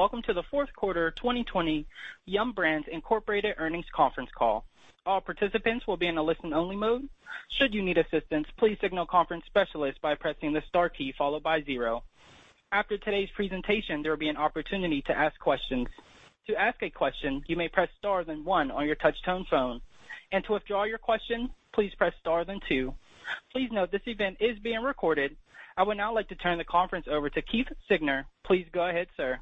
Good day and welcome to the fourth quarter 2020 Yum! Brands and Incorporated earnings conference call. All participants will be in listen-only mode. Should you need assistance please signal conference specialist by pressing the star key followed by zero. After today's presentation there will be an opportunity to ask questions. To ask a question you may press star then one on your touch-tone phone. To withdraw your question please press star then two. Please note that this event is being recorded. I would now like to turn the conference over to Keith Siegner. Please go ahead, sir.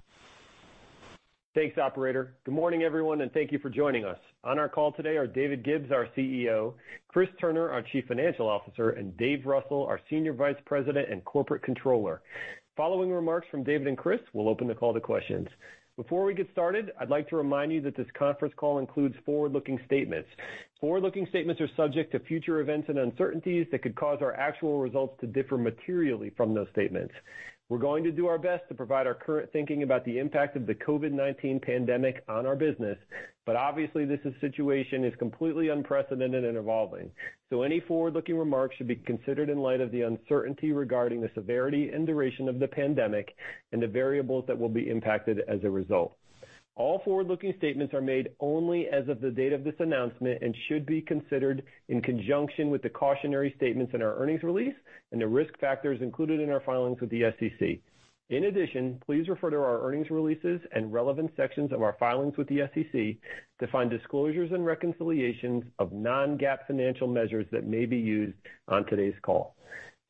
Thanks, operator. Good morning, everyone, and thank you for joining us. On our call today are David Gibbs, our CEO, Chris Turner, our Chief Financial Officer, and Dave Russell, our Senior Vice President and Corporate Controller. Following remarks from David and Chris, we'll open the call to questions. Before we get started, I'd like to remind you that this conference call includes forward-looking statements. Forward-looking statements are subject to future events and uncertainties that could cause our actual results to differ materially from those statements. We're going to do our best to provide our current thinking about the impact of the COVID-19 pandemic on our business, but obviously this situation is completely unprecedented and evolving. Any forward-looking remarks should be considered in light of the uncertainty regarding the severity and duration of the pandemic and the variables that will be impacted as a result. All forward-looking statements are made only as of the date of this announcement and should be considered in conjunction with the cautionary statements in our earnings release and the risk factors included in our filings with the SEC. In addition, please refer to our earnings releases and relevant sections of our filings with the SEC to find disclosures and reconciliations of non-GAAP financial measures that may be used on today's call.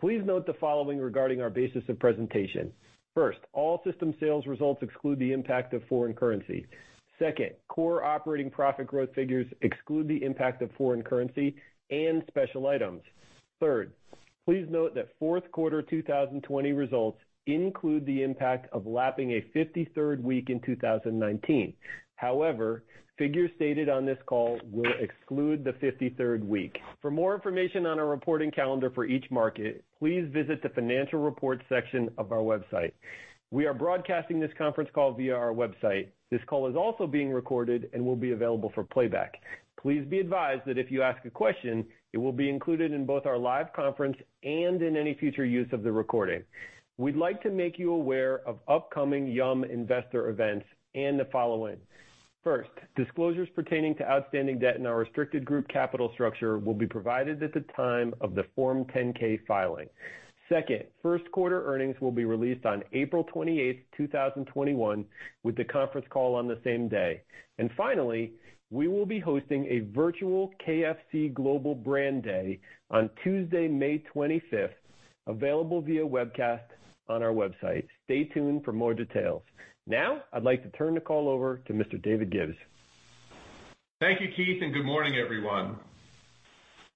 Please note the following regarding our basis of presentation. First, all system sales results exclude the impact of foreign currency. Second, core operating profit growth figures exclude the impact of foreign currency and special items. Third, please note that fourth quarter 2020 results include the impact of lapping a 53rd week in 2019. However, figures stated on this call will exclude the 53rd week. For more information on our reporting calendar for each market, please visit the financial report section of our website. We are broadcasting this conference call via our website. This call is also being recorded and will be available for playback. Please be advised that if you ask a question, it will be included in both our live conference and in any future use of the recording. We'd like to make you aware of upcoming Yum! investor events and the following. First, disclosures pertaining to outstanding debt in our restricted group capital structure will be provided at the time of the Form 10-K filing. Second, first quarter earnings will be released on April 28th, 2021 with the conference call on the same day. Finally, we will be hosting a virtual KFC global brand day on Tuesday, May 25th, available via webcast on our website. Stay tuned for more details. Now I'd like to turn the call over to Mr. David Gibbs. Thank you, Keith, and good morning, everyone.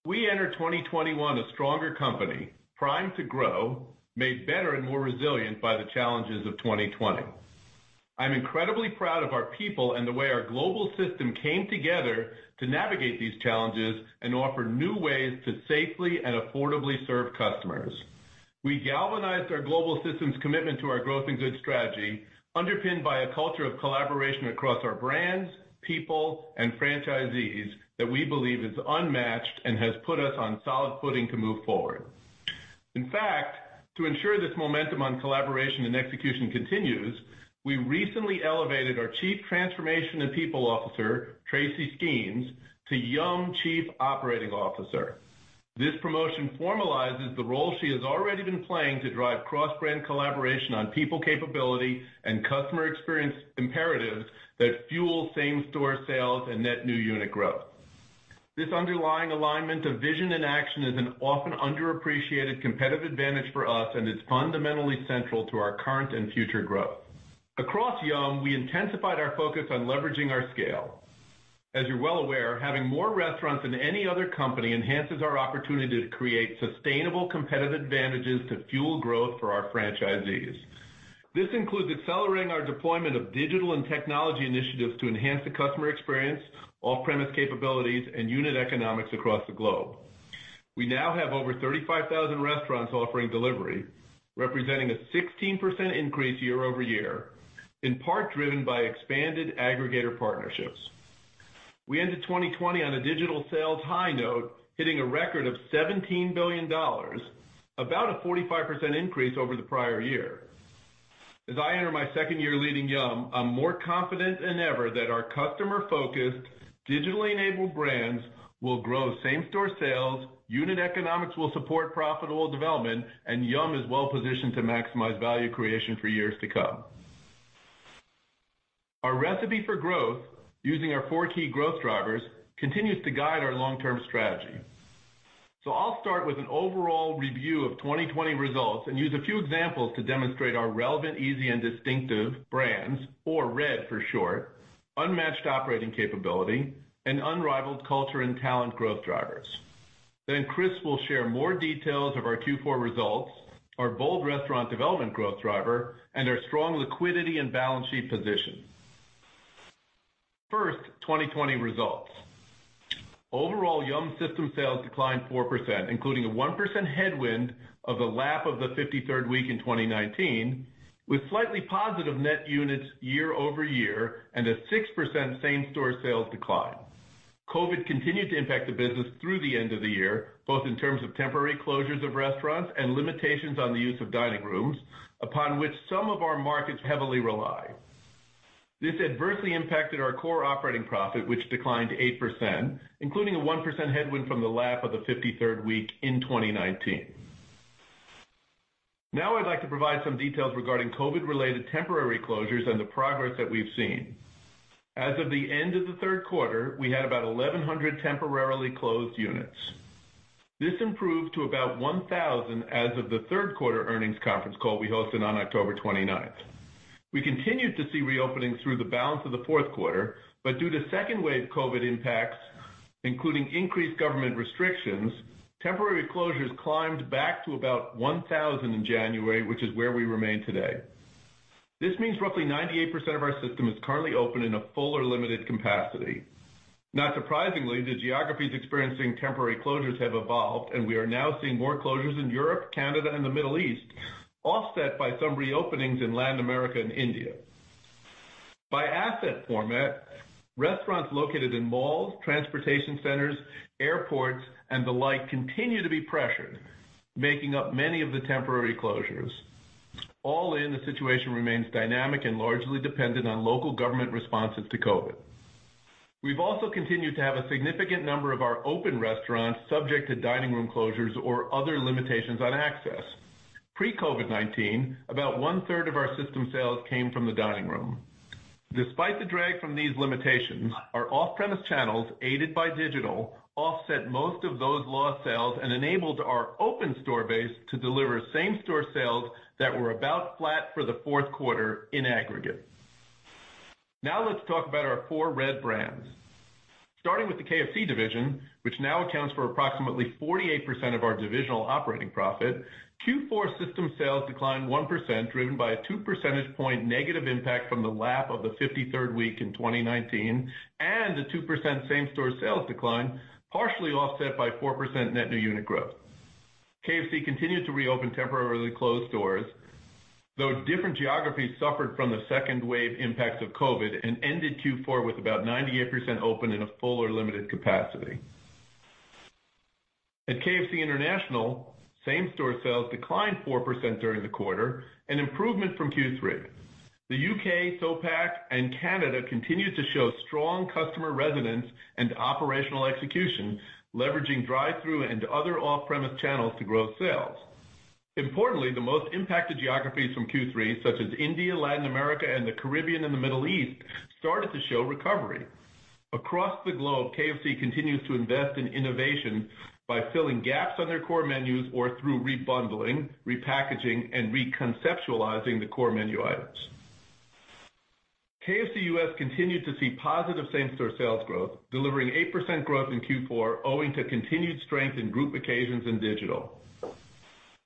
We enter 2021 a stronger company, primed to grow, made better and more resilient by the challenges of 2020. I'm incredibly proud of our people and the way our global system came together to navigate these challenges and offer new ways to safely and affordably serve customers. We galvanized our global system's commitment to our growth and good strategy, underpinned by a culture of collaboration across our brands, people, and franchisees that we believe is unmatched and has put us on solid footing to move forward. In fact, to ensure this momentum on collaboration and execution continues, we recently elevated our Chief Transformation and People Officer, Tracy Skeans, to Yum! Chief Operating Officer. This promotion formalizes the role she has already been playing to drive cross-brand collaboration on people capability and customer experience imperatives that fuel same-store sales and net new unit growth. This underlying alignment of vision and action is an often underappreciated competitive advantage for us and is fundamentally central to our current and future growth. Across Yum!, we intensified our focus on leveraging our scale. As you're well aware, having more restaurants than any other company enhances our opportunity to create sustainable competitive advantages to fuel growth for our franchisees. This includes accelerating our deployment of digital and technology initiatives to enhance the customer experience, off-premise capabilities, and unit economics across the globe. We now have over 35,000 restaurants offering delivery, representing a 16% increase year-over-year, in part driven by expanded aggregator partnerships. We ended 2020 on a digital sales high note, hitting a record of $17 billion, about a 45% increase over the prior year. As I enter my second year leading Yum!, I'm more confident than ever that our customer-focused, digitally enabled brands will grow same-store sales, unit economics will support profitable development, and Yum! is well positioned to maximize value creation for years to come. Our recipe for growth using our four key growth drivers continues to guide our long-term strategy. I'll start with an overall review of 2020 results and use a few examples to demonstrate our relevant, easy, and distinctive brands or RED for short, unmatched operating capability, and unrivaled culture and talent growth drivers. Chris will share more details of our Q4 results, our bold restaurant development growth driver, and our strong liquidity and balance sheet position. First, 2020 results. Overall, Yum! system sales declined 4%, including a 1% headwind of the lap of the 53rd week in 2019, with slightly positive net units year over year and a 6% same-store sales decline. COVID continued to impact the business through the end of the year, both in terms of temporary closures of restaurants and limitations on the use of dining rooms, upon which some of our markets heavily rely. This adversely impacted our core operating profit, which declined 8%, including a 1% headwind from the lap of the 53rd week in 2019. Now I'd like to provide some details regarding COVID-related temporary closures and the progress that we've seen. As of the end of the third quarter, we had about 1,100 temporarily closed units. This improved to about 1,000 as of the third quarter earnings conference call we hosted on October 29th. We continued to see reopening through the balance of the fourth quarter, but due to second wave COVID impacts, including increased government restrictions, temporary closures climbed back to about 1,000 in January, which is where we remain today. This means roughly 98% of our system is currently open in a full or limited capacity. Not surprisingly, the geographies experiencing temporary closures have evolved, and we are now seeing more closures in Europe, Canada, and the Middle East, offset by some reopenings in Latin America and India. By asset format, restaurants located in malls, transportation centers, airports, and the like continue to be pressured, making up many of the temporary closures. All in, the situation remains dynamic and largely dependent on local government responses to COVID. We've also continued to have a significant number of our open restaurants subject to dining room closures or other limitations on access. Pre-COVID-19, about one-third of our system sales came from the dining room. Despite the drag from these limitations, our off-premise channels, aided by digital, offset most of those lost sales and enabled our open store base to deliver same-store sales that were about flat for the fourth quarter in aggregate. Let's talk about our four Yum! brands. Starting with the KFC division, which now accounts for approximately 48% of our divisional operating profit, Q4 system sales declined 1%, driven by a two percentage point negative impact from the lap of the 53rd week in 2019 and a 2% same-store sales decline, partially offset by 4% net new unit growth. KFC continued to reopen temporarily closed stores, though different geographies suffered from the second wave impacts of COVID and ended Q4 with about 98% open in a full or limited capacity. At KFC International, same-store sales declined 4% during the quarter, an improvement from Q3. The U.K., SOPAC, and Canada continued to show strong customer resonance and operational execution, leveraging drive-thru and other off-premise channels to grow sales. Importantly, the most impacted geographies from Q3, such as India, Latin America, and the Caribbean and the Middle East, started to show recovery. Across the globe, KFC continues to invest in innovation by filling gaps on their core menus or through rebundling, repackaging, and re-conceptualizing the core menu items. KFC US continued to see positive same-store sales growth, delivering 8% growth in Q4 owing to continued strength in group occasions and digital.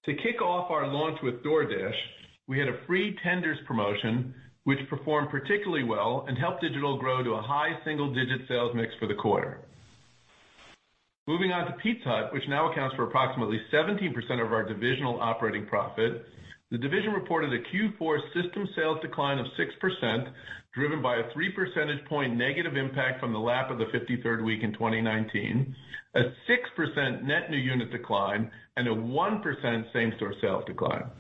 To kick off our launch with DoorDash, we had a free tenders promotion, which performed particularly well and helped digital grow to a high-single-digit sales mix for the quarter. Moving on to Pizza Hut, which now accounts for approximately 17% of our divisional operating profit, the division reported a Q4 system sales decline of 6%, driven by a three percentage point negative impact from the lap of the 53rd week in 2019, a 6% net new unit decline, and a 1% same-store sales decline.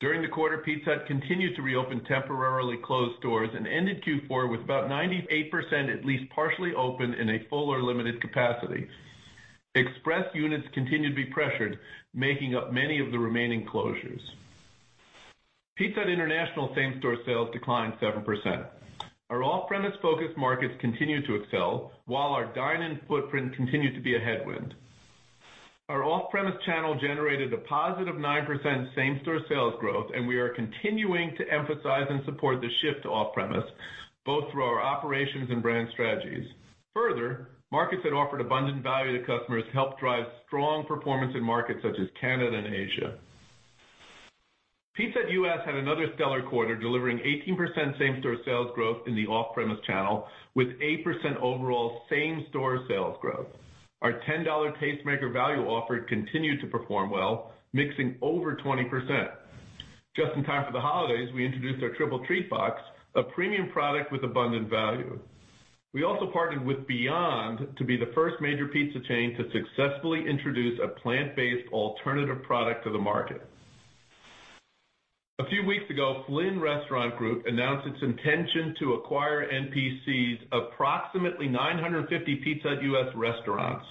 During the quarter, Pizza Hut continued to reopen temporarily closed stores and ended Q4 with about 98%, at least partially open in a full or limited capacity. Express units continued to be pressured, making up many of the remaining closures. Pizza Hut International same-store sales declined 7%. Our off-premise-focused markets continued to excel while our dine-in footprint continued to be a headwind. Our off-premise channel generated a positive 9% same-store sales growth, and we are continuing to emphasize and support the shift to off-premise, both through our operations and brand strategies. Further, markets that offered abundant value to customers helped drive strong performance in markets such as Canada and Asia. Pizza Hut US had another stellar quarter, delivering 18% same-store sales growth in the off-premise channel with 8% overall same-store sales growth. Our $10 Tastemaker value offer continued to perform well, mixing over 20%. Just in time for the holidays, we introduced our Triple Treat Box, a premium product with abundant value. We also partnered with Beyond to be the first major pizza chain to successfully introduce a plant-based alternative product to the market. A few weeks ago, Flynn Restaurant Group announced its intention to acquire NPC's approximately 950 Pizza Hut US restaurants.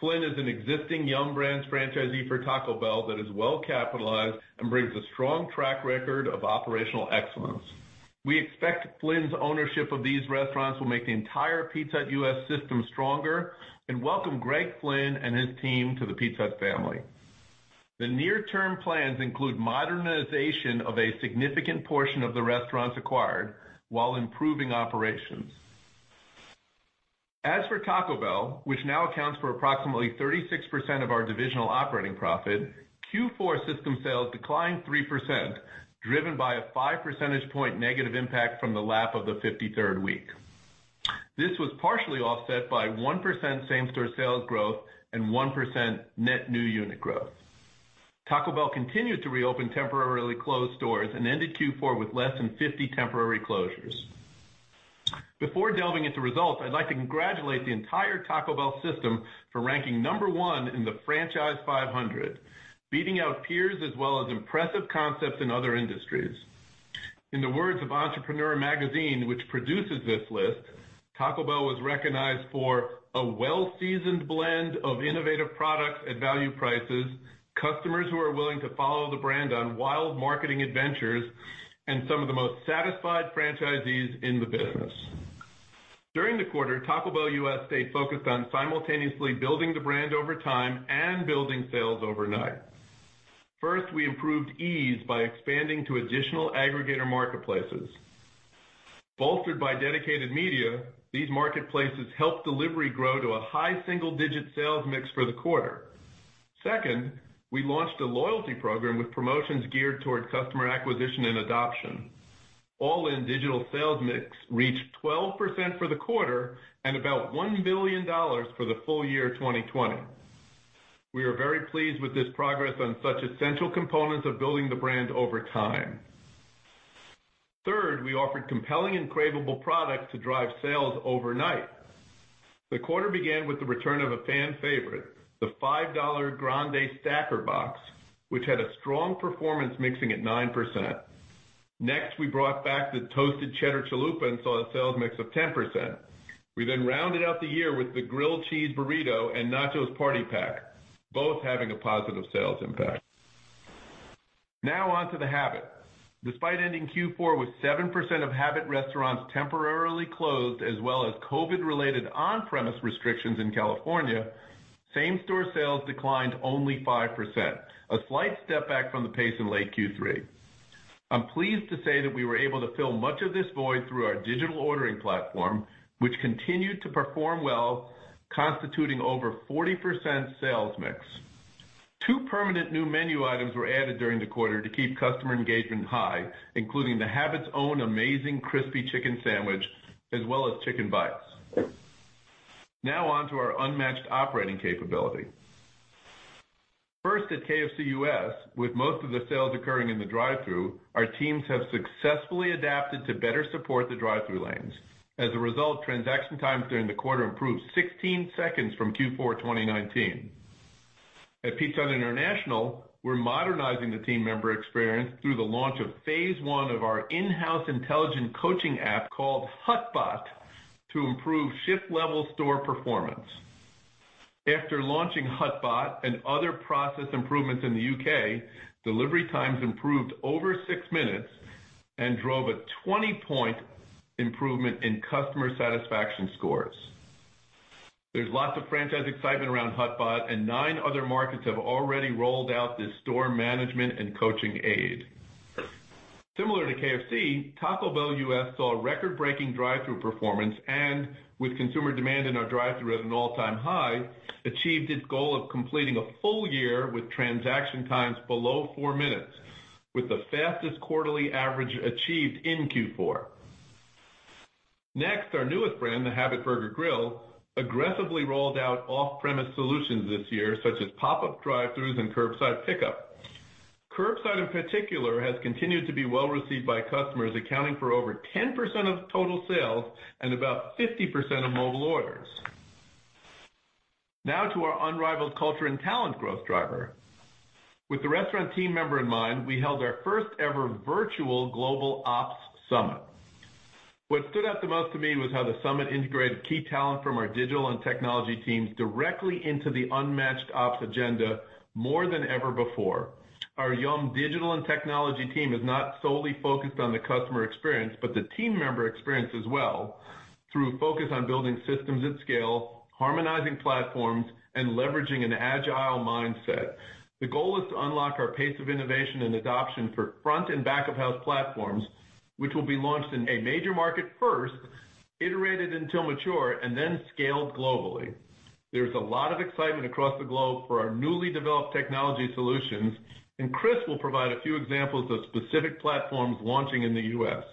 Flynn is an existing Yum! Brands franchisee for Taco Bell that is well capitalized and brings a strong track record of operational excellence. We expect Flynn's ownership of these restaurants will make the entire Pizza Hut US system stronger and welcome Greg Flynn and his team to the Pizza Hut family. The near-term plans include modernization of a significant portion of the restaurants acquired while improving operations. As for Taco Bell, which now accounts for approximately 36% of our divisional operating profit, Q4 system sales declined 3%, driven by a 5 percentage point negative impact from the lap of the 53rd week. This was partially offset by 1% same-store sales growth and 1% net new unit growth. Taco Bell continued to reopen temporarily closed stores and ended Q4 with less than 50 temporary closures. Before delving into results, I'd like to congratulate the entire Taco Bell system for ranking number one in the Franchise 500, beating out peers as well as impressive concepts in other industries. In the words of Entrepreneur Magazine, which produces this list, Taco Bell was recognized for a well-seasoned blend of innovative products at value prices, customers who are willing to follow the brand on wild marketing adventures, and some of the most satisfied franchisees in the business. During the quarter, Taco Bell U.S. stayed focused on simultaneously building the brand over time and building sales overnight. First, we improved ease by expanding to additional aggregator marketplaces. Bolstered by dedicated media, these marketplaces helped delivery grow to a high single-digit sales mix for the quarter. Second, we launched a loyalty program with promotions geared toward customer acquisition and adoption. All-in digital sales mix reached 12% for the quarter and about $1 billion for the full-year 2020. We are very pleased with this progress on such essential components of building the brand over time. Third, we offered compelling and craveable products to drive sales overnight. The quarter began with the return of a fan favorite, the $5 Grande Stacker Box, which had a strong performance mixing at 9%. We brought back the Toasted Cheddar Chalupa and saw a sales mix of 10%. We rounded out the year with the Grilled Cheese Burrito and Nachos Party Pack, both having a positive sales impact. On to The Habit. Despite ending Q4 with 7% of Habit restaurants temporarily closed, as well as COVID-related on-premise restrictions in California, same-store sales declined only 5%, a slight step back from the pace in late Q3. I'm pleased to say that we were able to fill much of this void through our digital ordering platform, which continued to perform well, constituting over 40% sales mix. Two permanent new menu items were added during the quarter to keep customer engagement high, including The Habit's own amazing Crispy Chicken Sandwich as well as Chicken Bites. Now on to our unmatched operating capability. First at KFC U.S., with most of the sales occurring in the drive-thru, our teams have successfully adapted to better support the drive-thru lanes. As a result, transaction times during the quarter improved 16 seconds from Q4 2019. At Pizza Hut International, we're modernizing the team member experience through the launch of phase one of our in-house intelligent coaching app called HutBot to improve shift-level store performance. After launching HutBot and other process improvements in the U.K., delivery times improved over six minutes and drove a 20-point improvement in customer satisfaction scores. There's lots of franchise excitement around HutBot, and 9 other markets have already rolled out this store management and coaching aid. Similar to KFC, Taco Bell U.S. saw record-breaking drive-thru performance and, with consumer demand in our drive-thru at an all-time high, achieved its goal of completing a full-year with transaction times below four minutes, with the fastest quarterly average achieved in Q4. Next, our newest brand, The Habit Burger Grill, aggressively rolled out off-premise solutions this year, such as pop-up drive-thrus and curbside pickup. Curbside, in particular, has continued to be well-received by customers, accounting for over 10% of total sales and about 50% of mobile orders. Now to our unrivaled culture and talent growth driver. With the restaurant team member in mind, we held our first ever virtual global ops summit. What stood out the most to me was how the summit integrated key talent from our digital and technology teams directly into the unmatched ops agenda more than ever before. Our Yum! digital and technology team is not solely focused on the customer experience, but the team member experience as well, through focus on building systems at scale, harmonizing platforms, and leveraging an agile mindset. The goal is to unlock our pace of innovation and adoption for front and back-of-house platforms, which will be launched in a major market first, iterated until mature, and then scaled globally. There's a lot of excitement across the globe for our newly developed technology solutions. Chris will provide a few examples of specific platforms launching in the U.S.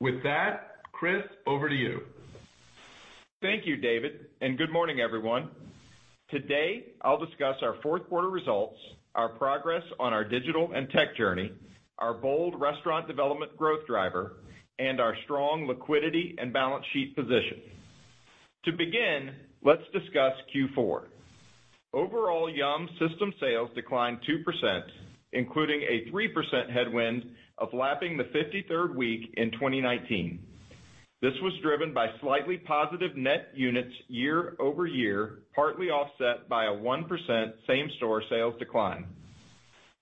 With that, Chris, over to you. Thank you, David, and good morning, everyone. Today, I'll discuss our fourth quarter results, our progress on our digital and tech journey, our bold restaurant development growth driver, and our strong liquidity and balance sheet position. To begin, let's discuss Q4. Overall, Yum! system sales declined 2%, including a 3% headwind of lapping the 53rd week in 2019. This was driven by slightly positive net units year-over-year, partly offset by a 1% same-store sales decline.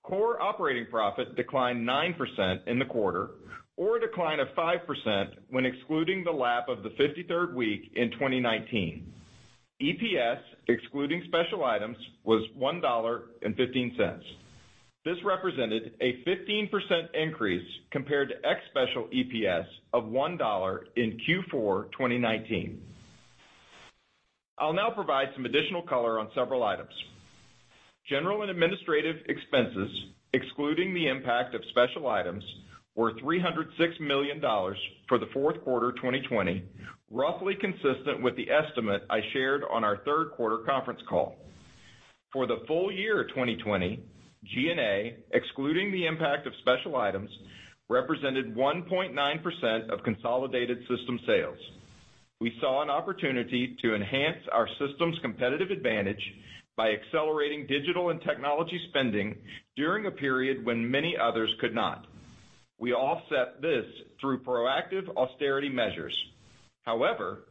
Core operating profit declined 9% in the quarter, or a decline of 5% when excluding the lap of the 53rd week in 2019. EPS, excluding special items, was $1.15. This represented a 15% increase compared to ex-special EPS of $1 in Q4 2019. I'll now provide some additional color on several items. General and administrative expenses, excluding the impact of special items were $306 million for the fourth quarter 2020, roughly consistent with the estimate I shared on our third quarter conference call. For the full-year 2020, G&A, excluding the impact of special items, represented 1.9% of consolidated system sales. We saw an opportunity to enhance our system's competitive advantage by accelerating digital and technology spending during a period when many others could not. We offset this through proactive austerity measures.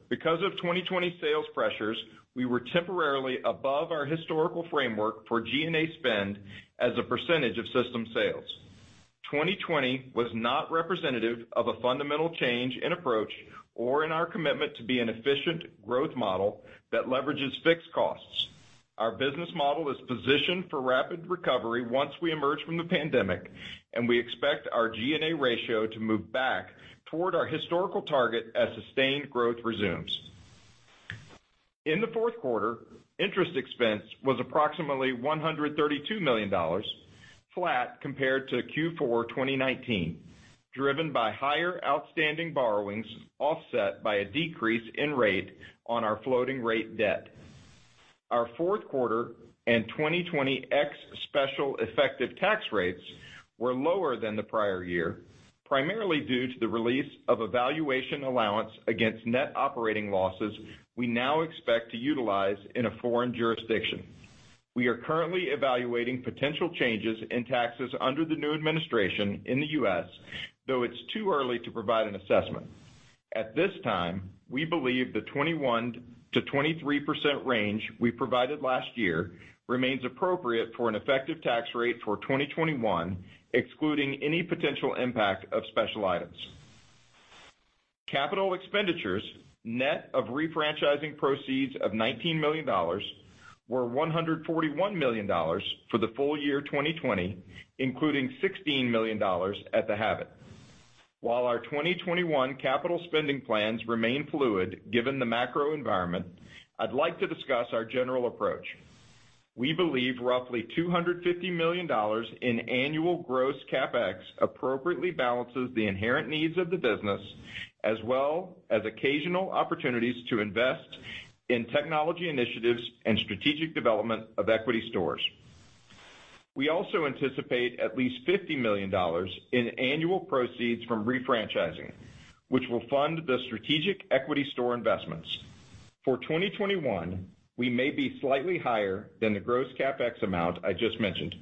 Because of 2020 sales pressures, we were temporarily above our historical framework for G&A spend as a percentage of system sales. 2020 was not representative of a fundamental change in approach or in our commitment to be an efficient growth model that leverages fixed costs. Our business model is positioned for rapid recovery once we emerge from the pandemic, and we expect our G&A ratio to move back toward our historical target as sustained growth resumes. In the fourth quarter, interest expense was approximately $132 million, flat compared to Q4 2019, driven by higher outstanding borrowings, offset by a decrease in rate on our floating rate debt. Our fourth quarter and 2020 ex-special effective tax rates were lower than the prior year, primarily due to the release of a valuation allowance against net operating losses we now expect to utilize in a foreign jurisdiction. We are currently evaluating potential changes in taxes under the new administration in the U.S., though it's too early to provide an assessment. At this time, we believe the 21%-23% range we provided last year remains appropriate for an effective tax rate for 2021, excluding any potential impact of special items. Capital expenditures, net of refranchising proceeds of $19 million, were $141 million for the full-year 2020, including $16 million at The Habit. While our 2021 capital spending plans remain fluid, given the macro environment, I'd like to discuss our general approach. We believe roughly $250 million in annual gross CapEx appropriately balances the inherent needs of the business, as well as occasional opportunities to invest in technology initiatives and strategic development of equity stores. We also anticipate at least $50 million in annual proceeds from refranchising, which will fund the strategic equity store investments. For 2021, we may be slightly higher than the gross CapEx amount I just mentioned.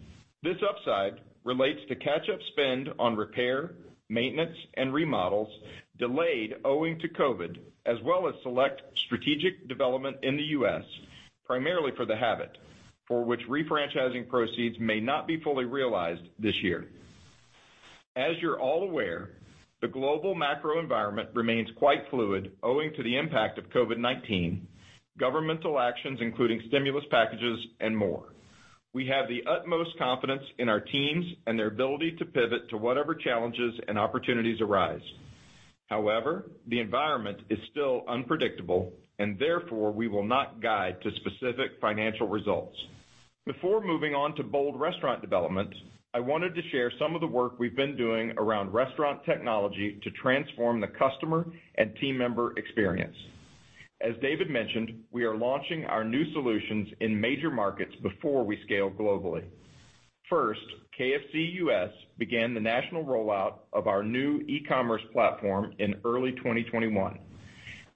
This upside relates to catch-up spend on repair, maintenance, and remodels delayed owing to COVID, as well as select strategic development in the U.S., primarily for The Habit, for which refranchising proceeds may not be fully realized this year. As you're all aware, the global macro environment remains quite fluid owing to the impact of COVID-19, governmental actions, including stimulus packages, and more. We have the utmost confidence in our teams and their ability to pivot to whatever challenges and opportunities arise. However, the environment is still unpredictable and therefore we will not guide to specific financial results. Before moving on to bold restaurant developments, I wanted to share some of the work we've been doing around restaurant technology to transform the customer and team member experience. As David mentioned, we are launching our new solutions in major markets before we scale globally. First, KFC U.S. began the national rollout of our new e-commerce platform in early 2021.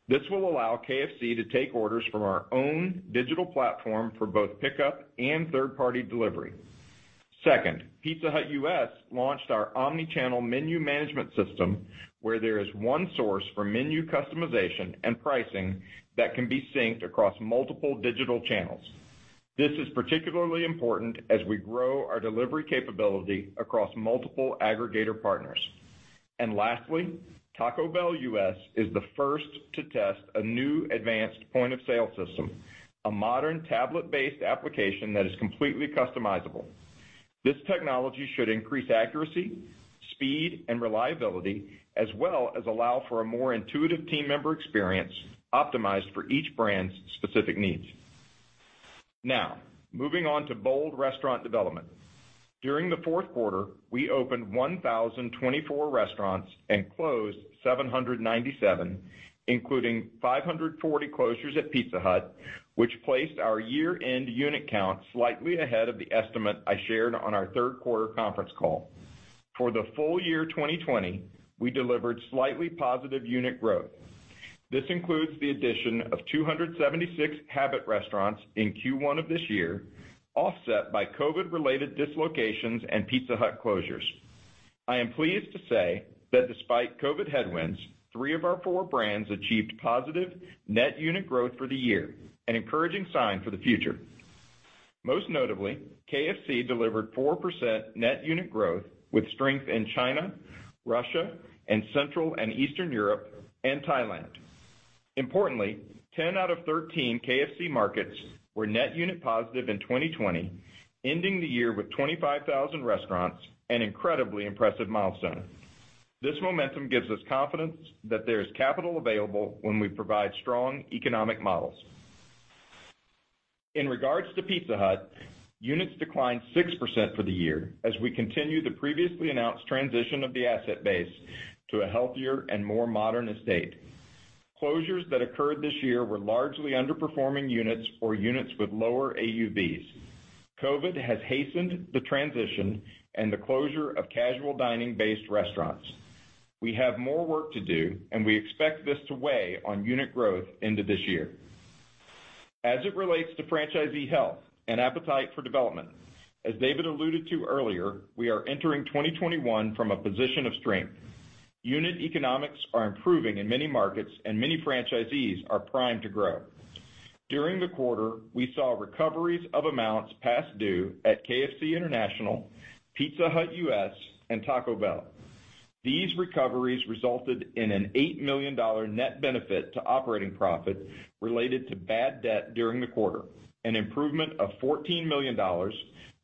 This will allow KFC to take orders from our own digital platform for both pickup and third-party delivery. Second, Pizza Hut U.S. launched our omni-channel menu management system, where there is one source for menu customization and pricing that can be synced across multiple digital channels. This is particularly important as we grow our delivery capability across multiple aggregator partners. Lastly, Taco Bell U.S. is the first to test a new advanced point-of-sale system, a modern tablet-based application that is completely customizable. This technology should increase accuracy, speed, and reliability, as well as allow for a more intuitive team member experience optimized for each brand's specific needs. Now, moving on to bold restaurant development. During the fourth quarter, we opened 1,024 restaurants and closed 797, including 540 closures at Pizza Hut, which placed our year-end unit count slightly ahead of the estimate I shared on our third quarter conference call. For the full-year 2020, we delivered slightly positive unit growth. This includes the addition of 276 Habit restaurants in Q1 of this year, offset by COVID-related dislocations and Pizza Hut closures. I am pleased to say that despite COVID headwinds, three of our four brands achieved positive net unit growth for the year, an encouraging sign for the future. Most notably, KFC delivered 4% net unit growth with strength in China, Russia, and Central and Eastern Europe, and Thailand. Importantly, 10 out of 13 KFC markets were net unit positive in 2020, ending the year with 25,000 restaurants, an incredibly impressive milestone. This momentum gives us confidence that there is capital available when we provide strong economic models. In regards to Pizza Hut, units declined 6% for the year as we continue the previously announced transition of the asset base to a healthier and more modern estate. Closures that occurred this year were largely underperforming units or units with lower AUVs. COVID has hastened the transition and the closure of casual dining-based restaurants. We have more work to do, and we expect this to weigh on unit growth into this year. As it relates to franchisee health and appetite for development, as David alluded to earlier, we are entering 2021 from a position of strength. Unit economics are improving in many markets, and many franchisees are primed to grow. During the quarter, we saw recoveries of amounts past due at KFC International, Pizza Hut U.S., and Taco Bell. These recoveries resulted in an $8 million net benefit to operating profit related to bad debt during the quarter, an improvement of $14 million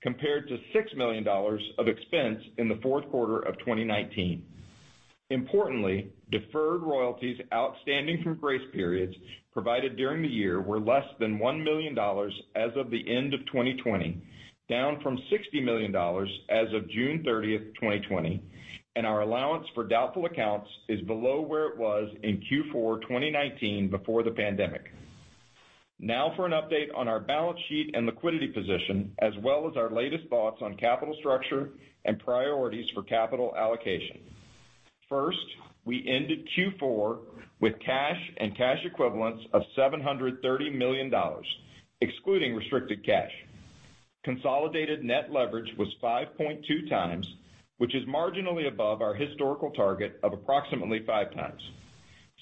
compared to $6 million of expense in the fourth quarter of 2019. Importantly, deferred royalties outstanding from grace periods provided during the year were less than $1 million as of the end of 2020, down from $60 million as of June 30th, 2020, and our allowance for doubtful accounts is below where it was in Q4 2019 before the pandemic. Now for an update on our balance sheet and liquidity position, as well as our latest thoughts on capital structure and priorities for capital allocation. First, we ended Q4 with cash and cash equivalents of $730 million, excluding restricted cash. Consolidated net leverage was 5.2x, which is marginally above our historical target of approximately 5x.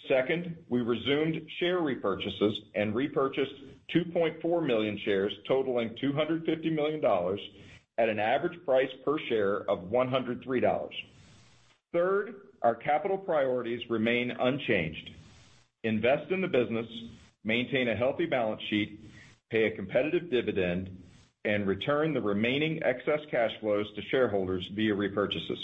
Second, we resumed share repurchases and repurchased 2.4 million shares totaling $250 million at an average price per share of $103. Third, our capital priorities remain unchanged. Invest in the business, maintain a healthy balance sheet, pay a competitive dividend, and return the remaining excess cash flows to shareholders via repurchases.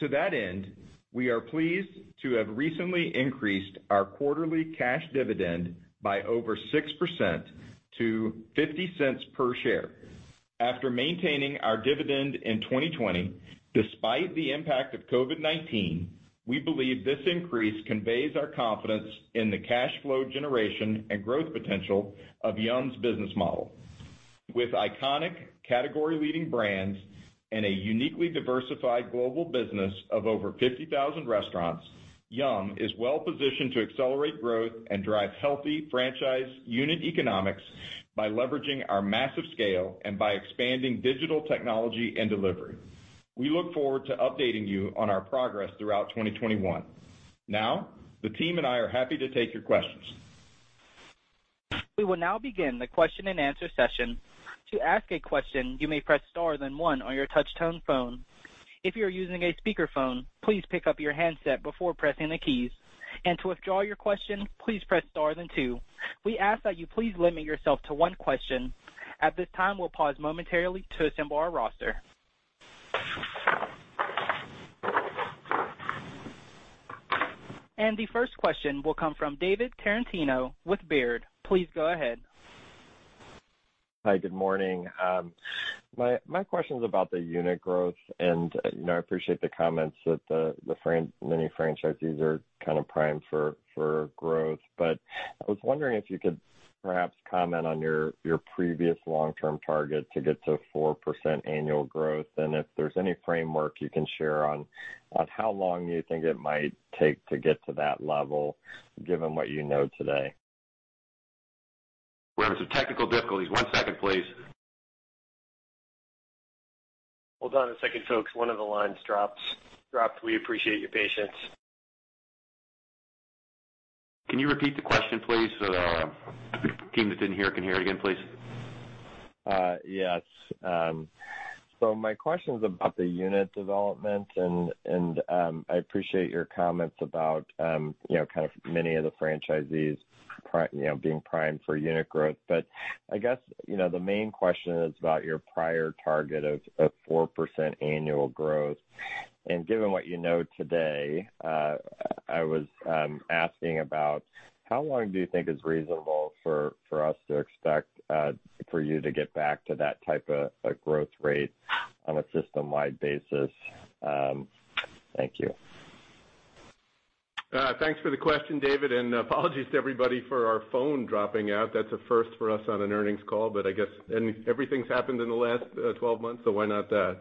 To that end, we are pleased to have recently increased our quarterly cash dividend by over 6% to $0.50 per share. After maintaining our dividend in 2020, despite the impact of COVID-19, we believe this increase conveys our confidence in the cash flow generation and growth potential of Yum!'s business model. With iconic category-leading brands and a uniquely diversified global business of over 50,000 restaurants, Yum! is well-positioned to accelerate growth and drive healthy franchise unit economics by leveraging our massive scale and by expanding digital technology and delivery. We look forward to updating you on our progress throughout 2021. The team and I are happy to take your questions. We will now begin the question-and-answer session. To ask a question you may press star then one on your touch-tone phone. If you are using a speaker phone please pick up your handset before pressing the key. To withdraw your question please press star then two. We ask that you please limit yourself to one question. At this time, we'll pause momentarily to assemble our roster. The first question will come from David Tarantino with Baird. Please go ahead. Hi, good morning. My question's about the unit growth, and I appreciate the comments that the many franchisees are kind of primed for growth. I was wondering if you could perhaps comment on your previous long-term target to get to 4% annual growth, and if there's any framework you can share on how long you think it might take to get to that level, given what you know today. We're having some technical difficulties. One second, please. Hold on a second, folks. One of the lines dropped. We appreciate your patience. Can you repeat the question, please, so the team that didn't hear can hear it again, please? Yes. My question's about the unit development and I appreciate your comments about many of the franchisees being primed for unit growth. I guess the main question is about your prior target of 4% annual growth. Given what you know today, I was asking about how long do you think is reasonable for us to expect for you to get back to that type of growth rate on a system-wide basis? Thank you. Thanks for the question, David. Apologies to everybody for our phone dropping out. That's a first for us on an earnings call, I guess everything's happened in the last 12 months, why not that?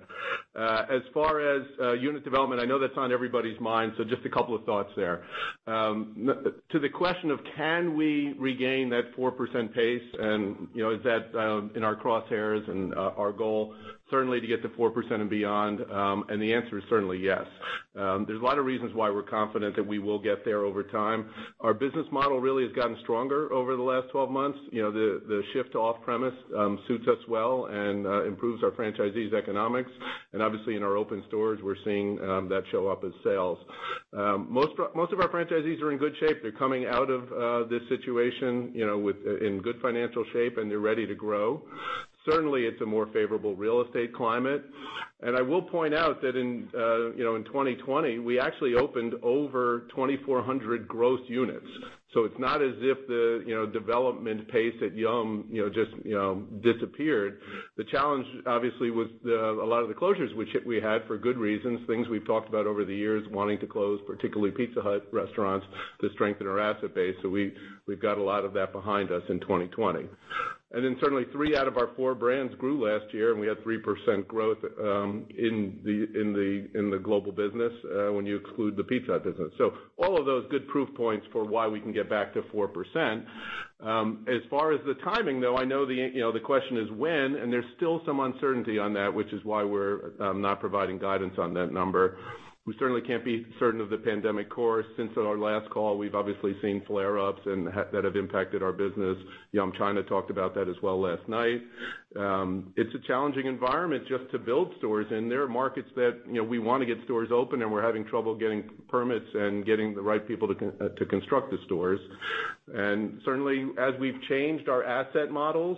As far as unit development, I know that's on everybody's mind, just a couple of thoughts there. To the question of can we regain that 4% pace, is that in our crosshairs, our goal certainly to get to 4% and beyond, the answer is certainly yes. There's a lot of reasons why we're confident that we will get there over time. Our business model really has gotten stronger over the last 12 months. The shift to off-premise suits us well, improves our franchisees' economics. Obviously, in our open stores, we're seeing that show up as sales. Most of our franchisees are in good shape. They're coming out of this situation in good financial shape, and they're ready to grow. Certainly, it's a more favorable real estate climate. I will point out that in 2020, we actually opened over 2,400 gross units. It's not as if the development pace at Yum! just disappeared. The challenge, obviously, was a lot of the closures, which we had for good reasons, things we've talked about over the years, wanting to close particularly Pizza Hut restaurants to strengthen our asset base. We've got a lot of that behind us in 2020. Certainly three out of our four brands grew last year, and we had 3% growth in the global business when you exclude the Pizza Hut business. All of those good proof points for why we can get back to 4%. As far as the timing, though, I know the question is when, and there's still some uncertainty on that, which is why we're not providing guidance on that number. We certainly can't be certain of the pandemic course. Since our last call, we've obviously seen flare-ups that have impacted our business. Yum China talked about that as well last night. It's a challenging environment just to build stores, and there are markets that we want to get stores open, and we're having trouble getting permits and getting the right people to construct the stores. Certainly, as we've changed our asset models,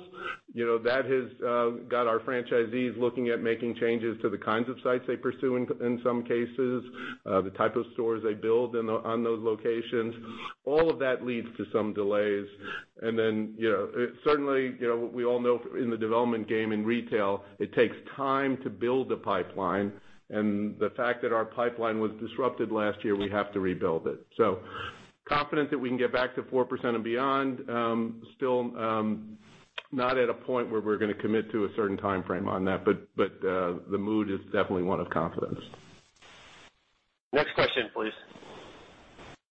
that has got our franchisees looking at making changes to the kinds of sites they pursue in some cases, the type of stores they build on those locations. All of that leads to some delays. Certainly, we all know in the development game in retail, it takes time to build a pipeline, and the fact that our pipeline was disrupted last year, we have to rebuild it. Confident that we can get back to 4% and beyond. Still not at a point where we're going to commit to a certain timeframe on that. The mood is definitely one of confidence. Next question, please.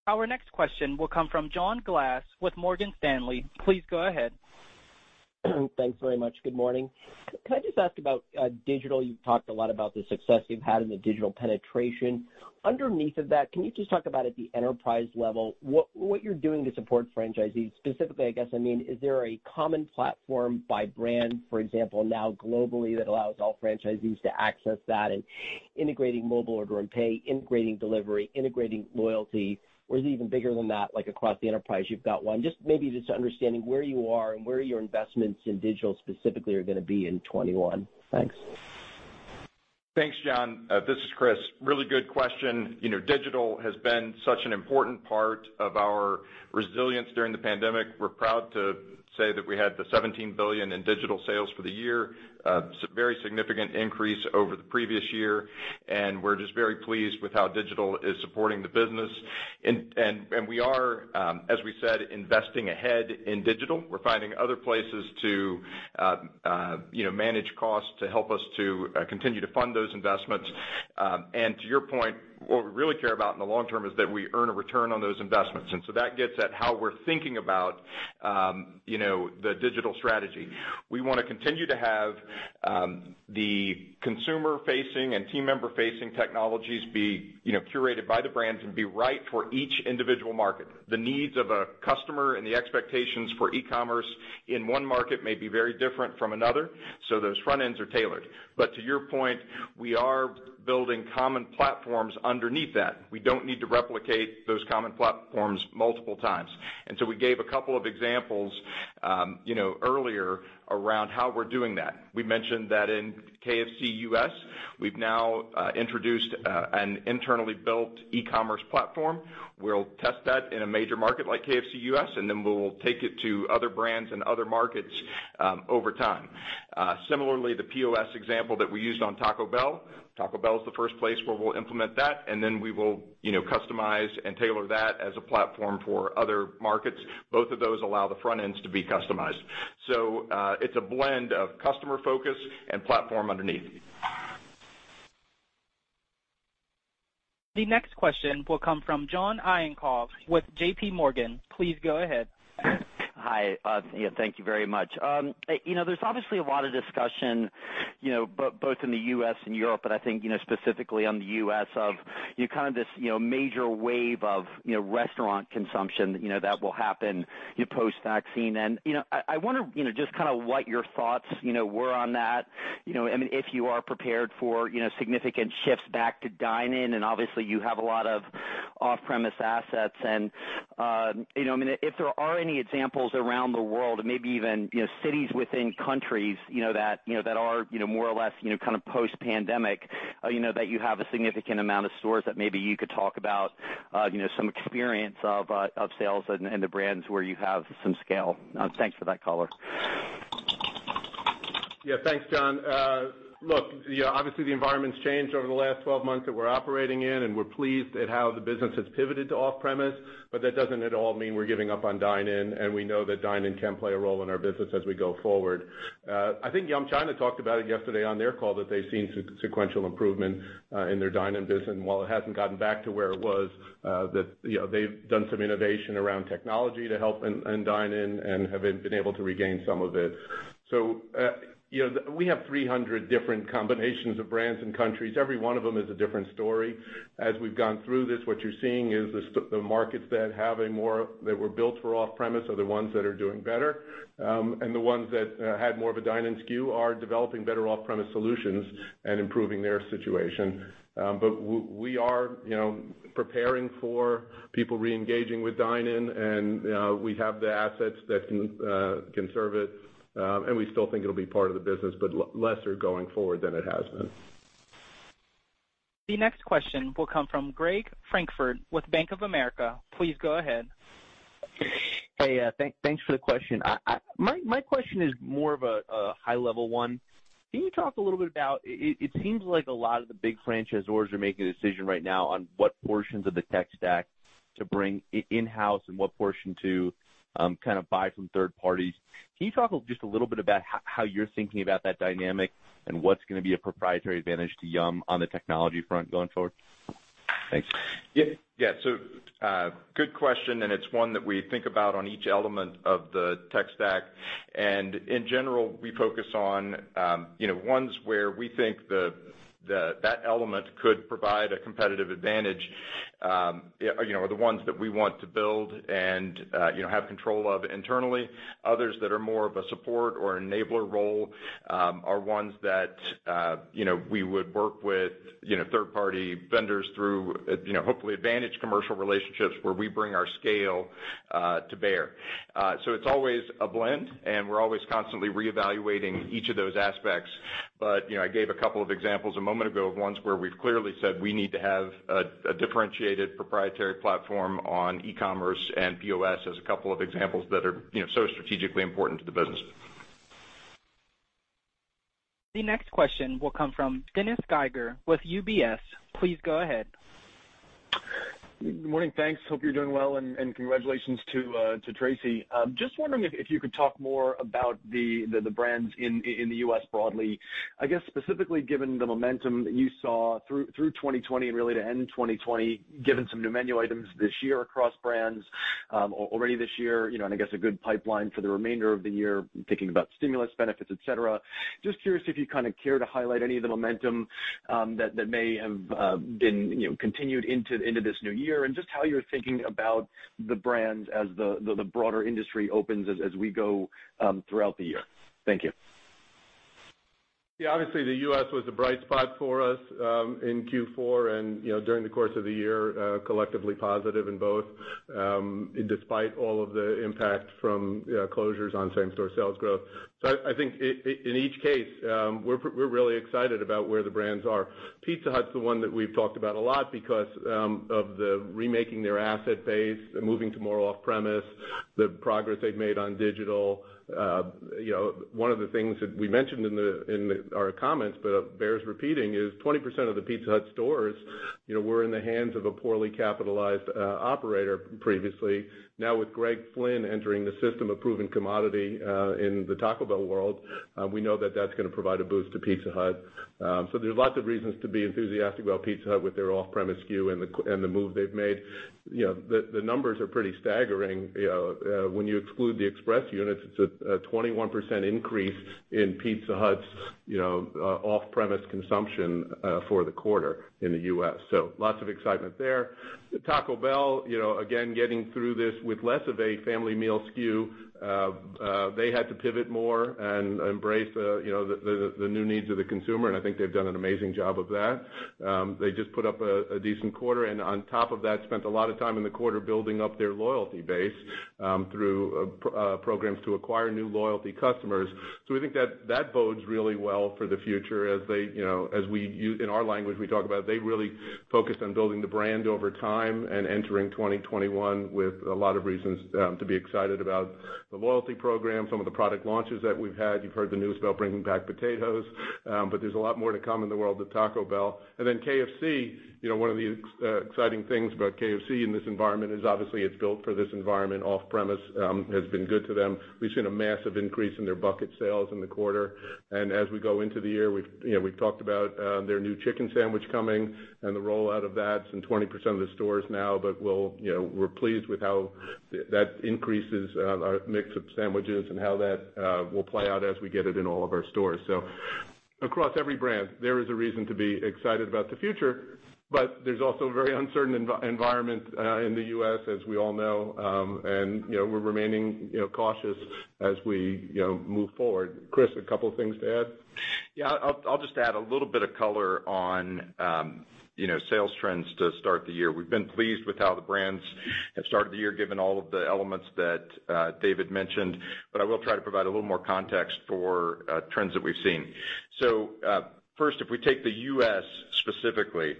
Our next question will come from John Glass with Morgan Stanley. Please go ahead. Thanks very much. Good morning. Can I just ask about digital? You've talked a lot about the success you've had in the digital penetration. Underneath of that, can you just talk about at the enterprise level, what you're doing to support franchisees? Specifically, I guess, I mean, is there a common platform by brand, for example, now globally that allows all franchisees to access that and integrating mobile order and pay, integrating delivery, integrating loyalty? Or is it even bigger than that, like across the enterprise, you've got one? Just maybe just understanding where you are and where your investments in digital specifically are going to be in 2021. Thanks. Thanks, John. This is Chris. Really good question. Digital has been such an important part of our resilience during the pandemic. We're proud to say that we had the $17 billion in digital sales for the year. Very significant increase over the previous year. We're just very pleased with how digital is supporting the business. We are, as we said, investing ahead in digital. We're finding other places to manage costs to help us to continue to fund those investments. To your point, what we really care about in the long term is that we earn a return on those investments. That gets at how we're thinking about the digital strategy. We want to continue to have the consumer-facing and team member-facing technologies be curated by the brands and be right for each individual market. The needs of a customer and the expectations for e-commerce in one market may be very different from another, so those front ends are tailored. To your point, we are building common platforms underneath that. We don't need to replicate those common platforms multiple times. We gave a couple of examples earlier around how we're doing that. We mentioned that in KFC U.S., we've now introduced an internally built e-commerce platform. We'll test that in a major market like KFC U.S., then we will take it to other brands and other markets over time. Similarly, the POS example that we used on Taco Bell. Taco Bell is the first place where we'll implement that, then we will customize and tailor that as a platform for other markets. Both of those allow the front ends to be customized. It's a blend of customer focus and platform underneath. The next question will come from John Ivankoe with JPMorgan. Please go ahead. Hi. Thank you very much. There's obviously a lot of discussion both in the U.S. and Europe, but I think specifically on the U.S. of this major wave of restaurant consumption that will happen post-vaccine. I wonder just what your thoughts were on that. If you are prepared for significant shifts back to dine-in, and obviously you have a lot of off-premise assets and, if there are any examples around the world, maybe even cities within countries that are more or less post-pandemic, that you have a significant amount of stores that maybe you could talk about some experience of sales and the brands where you have some scale. Thanks for that color. Yeah. Thanks, John. Look, obviously the environment's changed over the last 12 months that we're operating in, and we're pleased at how the business has pivoted to off-premise. That doesn't at all mean we're giving up on dine-in, and we know that dine-in can play a role in our business as we go forward. I think Yum China talked about it yesterday on their call that they've seen sequential improvement in their dine-in business. While it hasn't gotten back to where it was, they've done some innovation around technology to help in dine-in and have been able to regain some of it. We have 300 different combinations of brands and countries. Every one of them is a different story. As we've gone through this, what you're seeing is the markets that were built for off-premise are the ones that are doing better. The ones that had more of a dine-in skew are developing better off-premise solutions and improving their situation. We are preparing for people reengaging with dine-in, and we have the assets that can serve it. We still think it'll be part of the business, but lesser going forward than it has been. The next question will come from Gregory Francfort with Bank of America. Please go ahead. Hey, thanks for the question. My question is more of a high-level one. Can you talk a little bit about it seems like a lot of the big franchisors are making a decision right now on what portions of the tech stack to bring in-house and what portion to buy from third parties. Can you talk just a little bit about how you're thinking about that dynamic and what's going to be a proprietary advantage to Yum! on the technology front going forward? Thanks. Yeah. Good question, and it's one that we think about on each element of the tech stack. In general, we focus on ones where we think that element could provide a competitive advantage are the ones that we want to build and have control of internally. Others that are more of a support or enabler role are ones that we would work with third-party vendors through hopefully advantage commercial relationships where we bring our scale to bear. It's always a blend, and we're always constantly reevaluating each of those aspects. I gave a couple of examples a moment ago of ones where we've clearly said we need to have a differentiated proprietary platform on e-commerce and POS as a couple of examples that are so strategically important to the business. The next question will come from Dennis Geiger with UBS. Please go ahead. Good morning. Thanks. Hope you're doing well, and congratulations to Tracy. Just wondering if you could talk more about the brands in the U.S. broadly. I guess specifically given the momentum that you saw through 2020 and really to end 2020, given some new menu items this year across brands already this year, and I guess a good pipeline for the remainder of the year thinking about stimulus benefits, et cetera. Just curious if you care to highlight any of the momentum that may have been continued into this new year and just how you're thinking about the brands as the broader industry opens as we go throughout the year. Thank you. Obviously the U.S. was a bright spot for us in Q4 and during the course of the year, collectively positive in both, despite all of the impact from closures on same-store sales growth. I think in each case, we're really excited about where the brands are. Pizza Hut is the one that we've talked about a lot because of the remaking their asset base and moving to more off-premise, the progress they've made on digital. One of the things that we mentioned in our comments but bears repeating is 20% of the Pizza Hut stores were in the hands of a poorly capitalized operator previously. With Greg Flynn entering the system, a proven commodity in the Taco Bell world, we know that that's going to provide a boost to Pizza Hut. There's lots of reasons to be enthusiastic about Pizza Hut with their off-premise skew and the move they've made. The numbers are pretty staggering. When you exclude the express units, it's a 21% increase in Pizza Hut's off-premise consumption for the quarter in the U.S. Lots of excitement there. Taco Bell, again, getting through this with less of a family meal skew. They had to pivot more and embrace the new needs of the consumer, and I think they've done an amazing job of that. They just put up a decent quarter, and on top of that, spent a lot of time in the quarter building up their loyalty base through programs to acquire new loyalty customers. We think that bodes really well for the future as they, in our language we talk about, they really focus on building the brand over time and entering 2021 with a lot of reasons to be excited about the loyalty program, some of the product launches that we've had. You've heard the news about bringing back potatoes, there's a lot more to come in the world of Taco Bell. KFC, one of the exciting things about KFC in this environment is obviously it's built for this environment. Off-premise has been good to them. We've seen a massive increase in their bucket sales in the quarter. As we go into the year, we've talked about their new chicken sandwich coming and the rollout of that in 20% of the stores now, but we're pleased with how that increases our mix of sandwiches and how that will play out as we get it in all of our stores. Across every brand, there is a reason to be excited about the future, but there's also a very uncertain environment in the U.S., as we all know. We're remaining cautious as we move forward. Chris, a couple of things to add? Yeah, I'll just add a little bit of color on sales trends to start the year. We've been pleased with how the brands have started the year given all of the elements that David mentioned, but I will try to provide a little more context for trends that we've seen. First, if we take the U.S. specifically,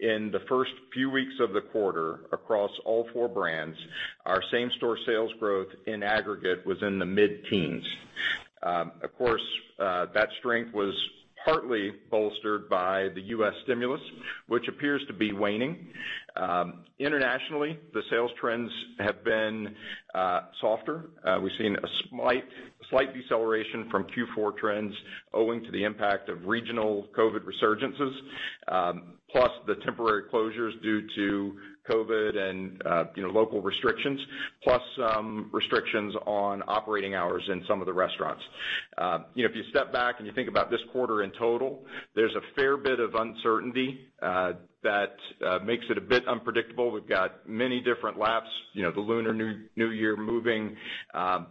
in the first few weeks of the quarter across all four brands, our same store sales growth in aggregate was in the mid-teens. Of course, that strength was partly bolstered by the U.S. stimulus, which appears to be waning. Internationally, the sales trends have been softer. We've seen a slight deceleration from Q4 trends owing to the impact of regional COVID resurgences, plus the temporary closures due to COVID and local restrictions, plus some restrictions on operating hours in some of the restaurants. If you step back and you think about this quarter in total, there's a fair bit of uncertainty that makes it a bit unpredictable. We've got many different laps, the Lunar New Year moving, plus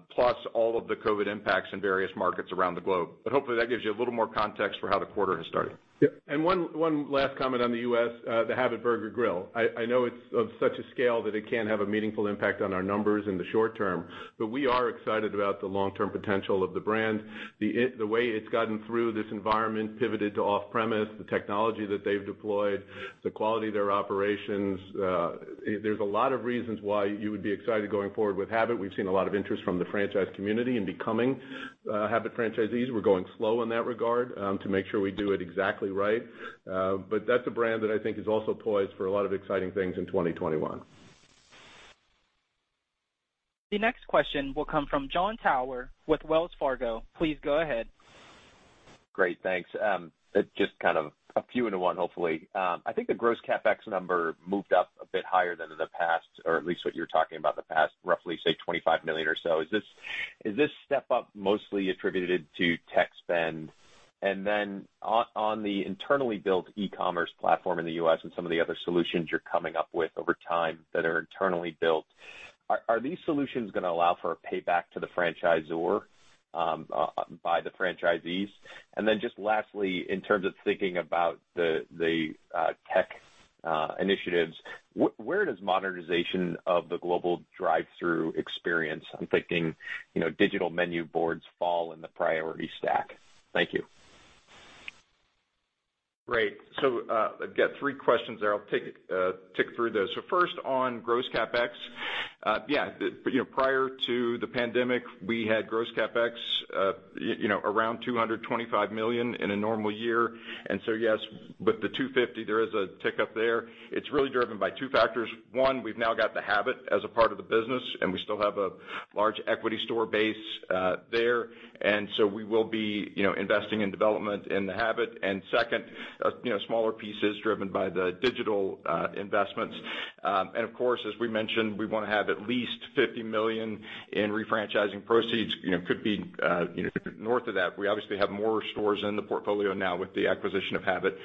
all of the COVID impacts in various markets around the globe. Hopefully that gives you a little more context for how the quarter has started. Yeah. One last comment on the U.S., The Habit Burger Grill. I know it's of such a scale that it can't have a meaningful impact on our numbers in the short term, but we are excited about the long-term potential of the brand. The way it's gotten through this environment, pivoted to off-premise, the technology that they've deployed, the quality of their operations. There's a lot of reasons why you would be excited going forward with Habit. We've seen a lot of interest from the franchise community in becoming Habit franchisees. We're going slow in that regard to make sure we do it exactly right. That's a brand that I think is also poised for a lot of exciting things in 2021. The next question will come from Jon Tower with Wells Fargo. Please go ahead. Great. Thanks. Just a few into one, hopefully. I think the gross CapEx number moved up a bit higher than in the past, or at least what you were talking about the past, roughly, say, $25 million or so. Is this step-up mostly attributed to tech spend? On the internally built e-commerce platform in the U.S. and some of the other solutions you're coming up with over time that are internally built, are these solutions going to allow for a payback to the franchisor by the franchisees? Lastly, in terms of thinking about the tech initiatives, where does modernization of the global drive-thru experience, I'm thinking digital menu boards, fall in the priority stack? Thank you. Great. I've got three questions there. I'll tick through those. First on gross CapEx. Yeah. Prior to the pandemic, we had gross CapEx around $225 million in a normal year. Yes, with the $250, there is a tick up there. It's really driven by two factors. One, we've now got The Habit as a part of the business, and we still have a large equity store base there. We will be investing in development in The Habit. Second, smaller pieces driven by the digital investments. Of course, as we mentioned, we want to have at least $50 million in refranchising proceeds. Could be north of that. We obviously have more stores in the portfolio now with the acquisition of Habit.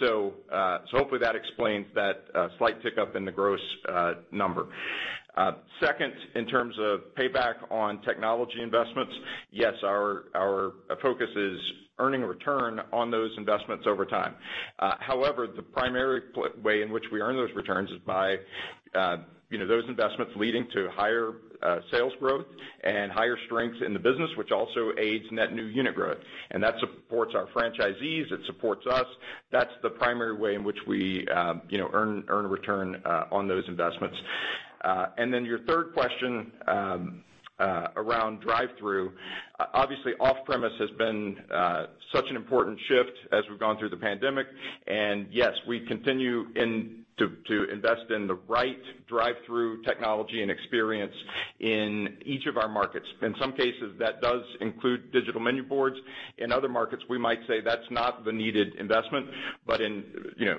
Hopefully that explains that slight tick-up in the gross number. Second, in terms of payback on technology investments, yes, our focus is earning a return on those investments over time. However, the primary way in which we earn those returns is by those investments leading to higher sales growth and higher strength in the business, which also aids net new unit growth. That supports our franchisees, it supports us. That's the primary way in which we earn return on those investments. Then your third question around drive-thru. Obviously, off-premise has been such an important shift as we've gone through the pandemic. Yes, we continue to invest in the right drive-thru technology and experience in each of our markets. In some cases, that does include digital menu boards. In other markets, we might say that's not the needed investment. In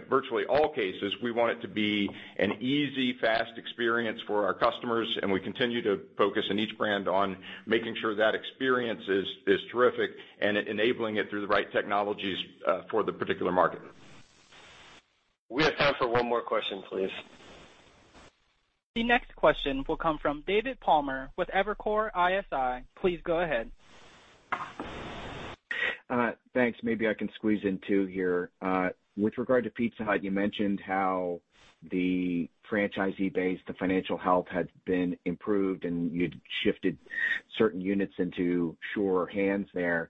virtually all cases, we want it to be an easy, fast experience for our customers, and we continue to focus on each brand on making sure that experience is terrific and enabling it through the right technologies for the particular market. We have time for one more question, please. The next question will come from David Palmer with Evercore ISI. Please go ahead. Thanks. Maybe I can squeeze in two here. With regard to Pizza Hut, you mentioned how the franchisee base, the financial health had been improved, and you'd shifted certain units into surer hands there.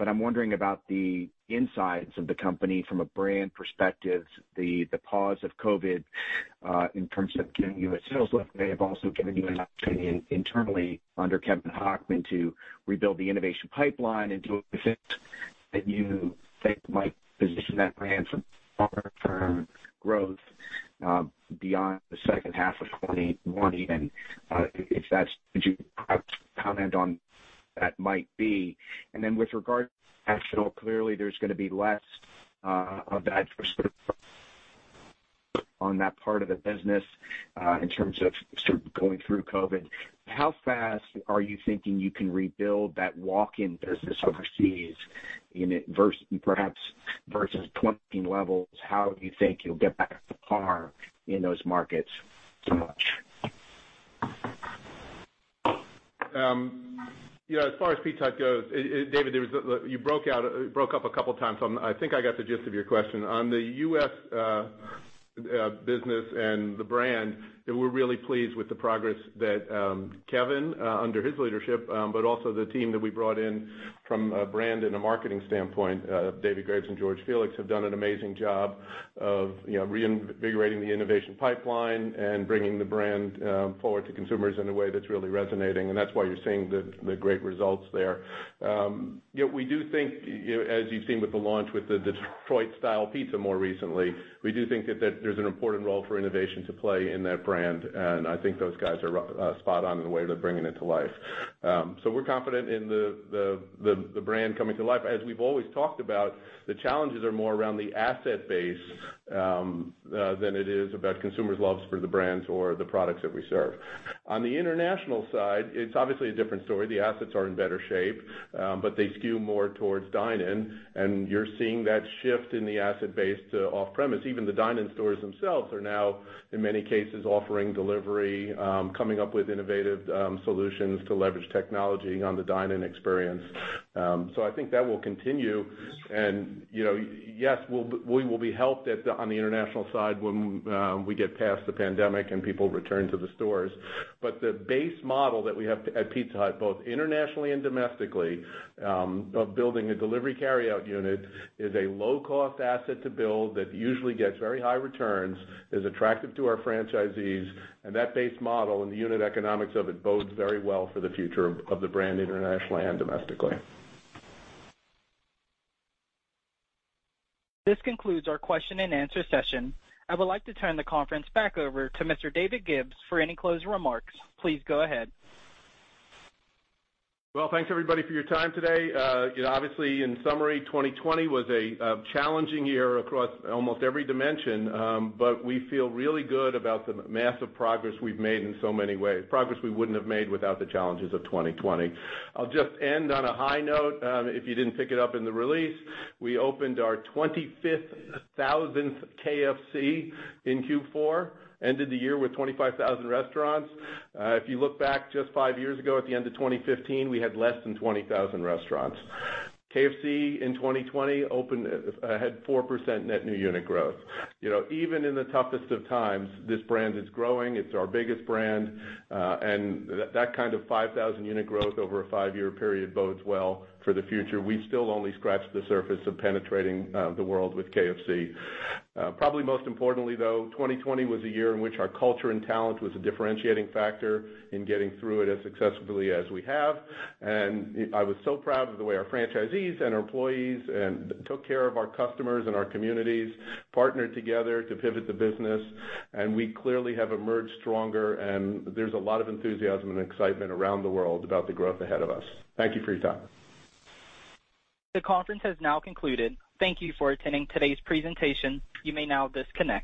I'm wondering about the insides of the company from a brand perspective, the pause of COVID in terms of giving you a sales lift may have also given you an opportunity internally under Kevin Hochman to rebuild the innovation pipeline into a that you think might position that brand for long-term growth beyond the second half of 2021. Could you perhaps comment on that might be? With regard to international, clearly there's going to be less of that on that part of the business in terms of going through COVID. How fast are you thinking you can rebuild that walk-in business overseas perhaps versus pre-COVID-19 levels. How do you think you'll get back to par in those markets? As far as Pizza Hut goes, David, you broke up a couple of times. I think I got the gist of your question. On the U.S. business and the brand, we're really pleased with the progress that Kevin under his leadership. Also, the team that we brought in from a brand and a marketing standpoint, David Graves and George Felix, have done an amazing job of reinvigorating the innovation pipeline and bringing the brand forward to consumers in a way that's really resonating. That's why you're seeing the great results there. As you've seen with the launch with the Detroit-Style Pizza more recently, we do think that there's an important role for innovation to play in that brand. I think those guys are spot on in the way they're bringing it to life. We're confident in the brand coming to life. As we've always talked about, the challenges are more around the asset base than it is about consumers' loves for the brands or the products that we serve. On the international side, it's obviously a different story. The assets are in better shape, but they skew more towards dine-in, and you're seeing that shift in the asset base to off-premise. Even the dine-in stores themselves are now, in many cases, offering delivery, coming up with innovative solutions to leverage technology on the dine-in experience. I think that will continue. Yes, we will be helped on the international side when we get past the pandemic and people return to the stores. The base model that we have at Pizza Hut, both internationally and domestically, of building a delivery carryout unit is a low-cost asset to build that usually gets very high returns, is attractive to our franchisees, and that base model and the unit economics of it bodes very well for the future of the brand internationally and domestically. This concludes our question-and-answer session. I would like to turn the conference back over to Mr. David Gibbs for any closing remarks. Please go ahead. Well, thanks everybody for your time today. Obviously, in summary, 2020 was a challenging year across almost every dimension. We feel really good about the massive progress we've made in so many ways. Progress we wouldn't have made without the challenges of 2020. I'll just end on a high note. If you didn't pick it up in the release, we opened our 25,000th KFC in Q4, ended the year with 25,000 restaurants. If you look back just five years ago at the end of 2015, we had less than 20,000 restaurants. KFC in 2020 had 4% net new unit growth. Even in the toughest of times, this brand is growing. It's our biggest brand. That kind of 5,000 unit growth over a five-year period bodes well for the future. We've still only scratched the surface of penetrating the world with KFC. Probably most importantly, though, 2020 was a year in which our culture and talent was a differentiating factor in getting through it as successfully as we have. I was so proud of the way our franchisees and our employees took care of our customers and our communities, partnered together to pivot the business, and we clearly have emerged stronger, and there's a lot of enthusiasm and excitement around the world about the growth ahead of us. Thank you for your time. The conference has now concluded. Thank you for attending today's presentation. You may now disconnect.